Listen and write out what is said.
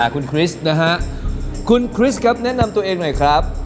คุณคริสครับแนะนำตัวเองไหนครับ